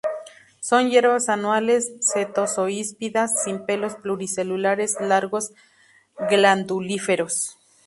Son hierbas anuales, setoso-híspidas, sin pelos pluricelulares largos glandulíferos.